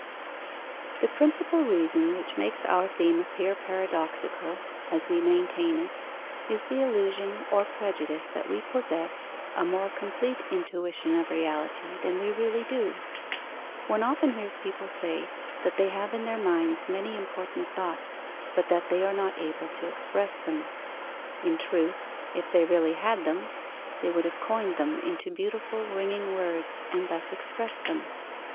_ The principal reason which makes our theme appear paradoxical as we maintain it, is the illusion or prejudice that we possess a more complete intuition of reality than we really do. One often hears people say that they have in their minds many important thoughts, but that they are not able to express them. In truth, if they really had them, they would have coined them into beautiful, ringing words, and thus expressed them.